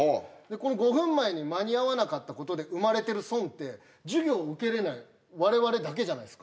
この５分前に間に合わなかったことで生まれてる損って授業を受けれない我々だけじゃないすか